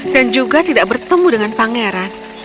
dan juga tidak bertemu dengan pangeran